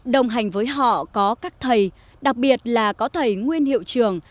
đồng hành với họ có các thầy đặc biệt là có thầy nguyên hiệu trường